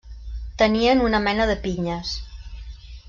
Tenien una mena de pinyes.